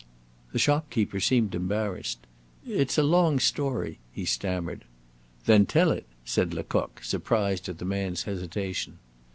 The shopkeeper seemed embarrassed. "It's a long story," he stammered. "Then tell it!" said Lecoq, surprised at the man's hesitation.